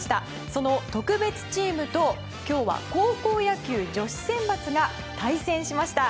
その特別チームと今日は高校野球女子選抜が対戦しました。